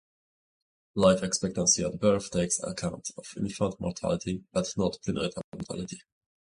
Life expectancy at birth takes account of infant mortality but not prenatal mortality.